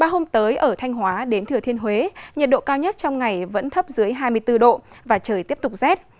hôm tới ở thanh hóa đến thừa thiên huế nhiệt độ cao nhất trong ngày vẫn thấp dưới hai mươi bốn độ và trời tiếp tục rét